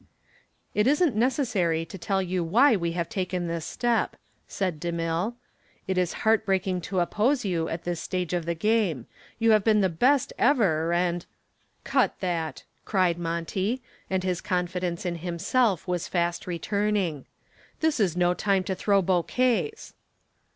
"It isn't necessary to tell you why we have taken this step," said DeMille. "It is heart breaking to oppose you at this stage of the game. You've been the best ever and " "Cut that," cried Monty, and his confidence in himself was fast returning. "This is no time to throw bouquets."